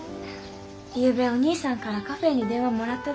ゆうべお義兄さんからカフェーに電話もらっただよ。